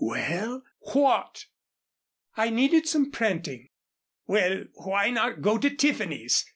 "Well what?" "I needed some printing." "Well, why not go to Tiffany's?